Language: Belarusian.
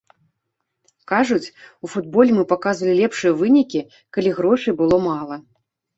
Кажуць, у футболе мы паказвалі лепшыя вынікі, калі грошай было мала.